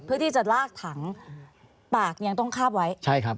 ๓๔เมตรนะครับ